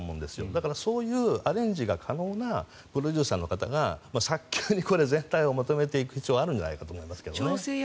だからそういうアレンジが可能なプロデューサーの方が早急に全体をまとめていく必要があるんじゃないかと思いますね。